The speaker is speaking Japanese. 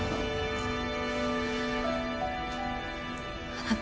あなた。